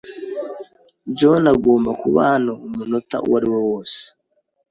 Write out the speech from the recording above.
John agomba kuba hano umunota uwariwo wose.